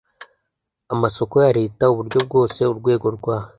amasoko ya Leta uburyo bwose Urwego rwa